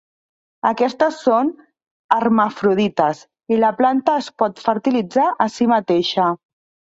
Aquestes són hermafrodites, i la planta es pot fertilitzar a si mateixa.